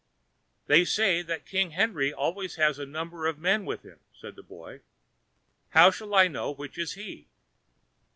"They say that King Henry always has a number of men with him," said the boy; "how shall I know which is he?"